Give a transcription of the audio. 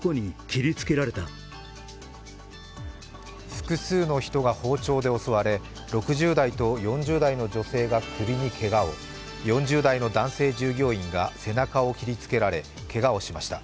複数の人が包丁で襲われ６０代と４０代の女性が首にけがを４０代の男性従業員が背中を切りつけられけがをしました。